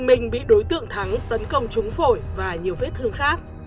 minh bị đối tượng thắng tấn công trúng phổi và nhiều vết thương khác